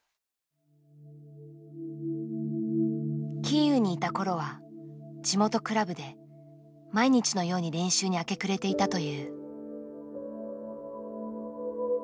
キーウにいた頃は地元クラブで毎日のように練習に明け暮れていたという。